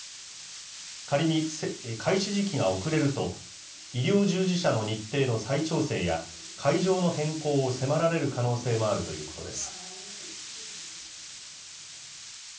仮に開始時期が遅れると、医療従事者の日程の再調整や、会場の変更を迫られる可能性もあるということです。